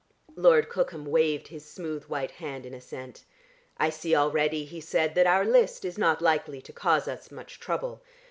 Lord Cookham waved his smooth white hand in assent. "I see already," he said, "that our list is not likely to cause us much trouble.